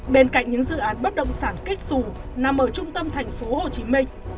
bên cạnh những dự án bất động sản kích sù nằm ở trung tâm thành phố hồ chí minh